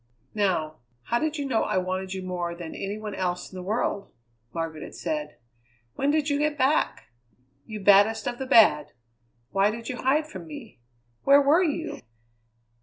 "Now how did you know I wanted you more than any one else in the world?" Margaret had said. "When did you get back? You baddest of the bad! Why did you hide from me? Where were you?"